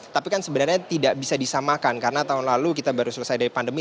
tapi kan sebenarnya tidak bisa disamakan karena tahun lalu kita baru selesai dari pandemi